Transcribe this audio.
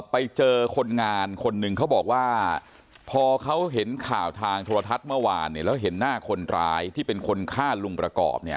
ไปเจอคนงานคนหนึ่งเขาบอกว่าพอเขาเห็นข่าวทางโทรทัศน์เมื่อวานเนี่ยแล้วเห็นหน้าคนร้ายที่เป็นคนฆ่าลุงประกอบเนี่ย